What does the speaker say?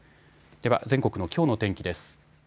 では全国のきょうの天気です。